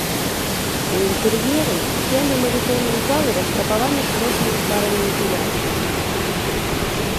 У інтэр'еры сцены малітоўнай залы раскрапаваны шырокімі спаранымі пілястрамі.